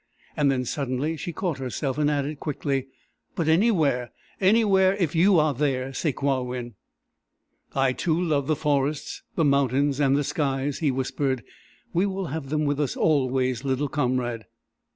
And then, suddenly she caught herself, and added quickly: "But anywhere anywhere if you are there, Sakewawin!" "I too, love the forests, the mountains, and the skies," he whispered. "We will have them with us always, little comrade."